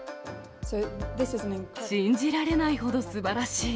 信じられないほどすばらしい。